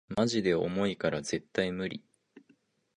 マジで重いから絶対ムリ